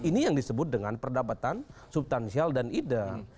ini yang disebut dengan perdapatan subtansial dan ideal